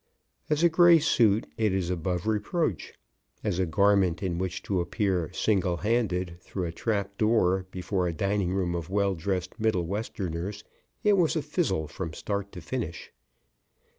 As a gray suit it is above reproach. As a garment in which to appear single handed through a trapdoor before a dining room of well dressed Middle Westerners it was a fizzle from start to finish.